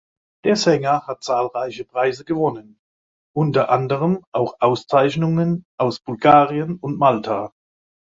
Der Sänger hat zahlreiche Preise gewonnen, u. a. auch Auszeichnungen aus Bulgarien und Malta.